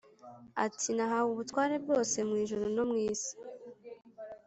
ati “Nahawe ubutware bwose mu ijuru no mu isi.